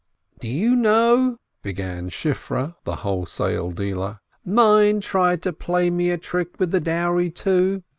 "Do you know," began Shifreh, the wholesale dealer, "mine tried to play me a trick with the dowry, too